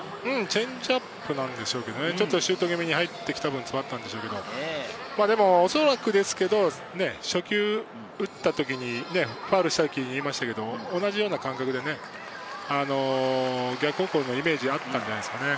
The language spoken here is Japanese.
チェンジアップなんでしょうけどね、ちょっとシュート気味に入った分、詰まったんでしょうけど、おそらく初球を打った時にファウルした時に言いましたけど、同じような感覚で逆方向のイメージがあったんじゃないですかね。